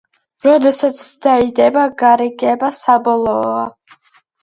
როდესაც დაიდება, გარიგება საბოლოოა.